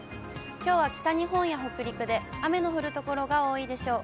きょうは北日本や北陸で雨の降る所が多いでしょう。